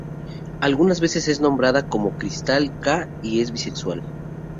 Algunas veces es nombrada como Crystal K y es bisexual.